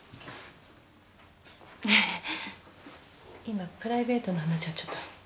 今プライベートな話はちょっと。